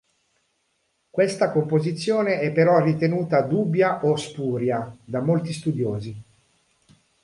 Questa composizione è però ritenuta "dubbia o spuria" da molti studiosi.